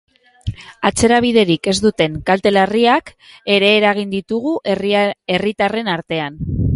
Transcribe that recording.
Atzerabiderik ez duten kalte larriak ere eragin ditugu herritarren artean.